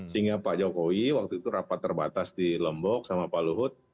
sehingga pak jokowi waktu itu rapat terbatas di lombok sama pak luhut